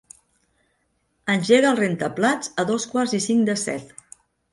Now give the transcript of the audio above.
Engega el rentaplats a dos quarts i cinc de set.